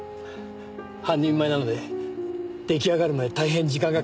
半人前なので出来上がるまで大変時間がかかってしまいます。